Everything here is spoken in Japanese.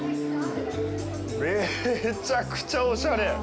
めちゃくちゃおしゃれ。